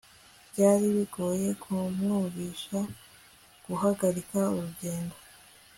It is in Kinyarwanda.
byari bigoye kumwumvisha guhagarika urugendo